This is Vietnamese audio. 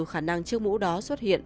khả năng chiếc mũ đó xuất hiện